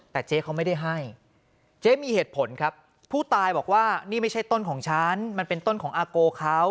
แต่เจ๊เขาไม่ได้ให้เจ๊มีเหตุผลครับผู้ตายบอกว่านี่ไม่ใช่ต้นของฉันมันเป็นต้นของอาโกเขา